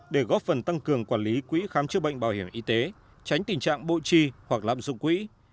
để góp phần tăng cường quản lý quỹ khám chữa bệnh bảo hiểm y tế tránh tình trạng bộ chi hoặc lạm dụng quỹ